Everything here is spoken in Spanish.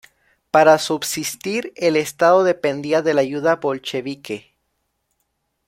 Para subsistir el Estado dependía de la ayuda bolchevique.